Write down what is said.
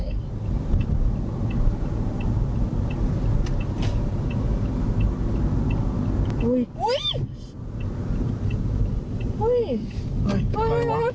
อุ้ยอุ้ย